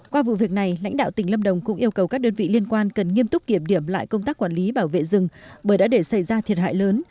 qua vụ việc này lãnh đạo tỉnh lâm đồng cũng yêu cầu các đơn vị liên quan cần nghiêm túc kiểm điểm lại công tác quản lý bảo vệ rừng bởi đã để xảy ra thiệt hại lớn